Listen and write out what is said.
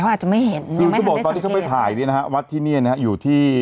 เขาอาจจะไม่เห็นคือเขาบอกตอนที่เขาไปถ่ายเนี่ยนะฮะวัดที่เนี่ยนะฮะอยู่ที่